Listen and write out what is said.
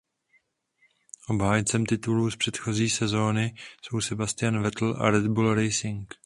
Obhájcem titulů z předchozí sezóny jsou Sebastian Vettel a Red Bull Racing.